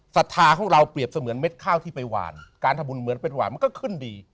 ศรัทธาของเราเปรียบเสมือนเม็ดข้าวที่ไปหวานการทำบุญเหมือนเป็นหวานมันก็ขึ้นดี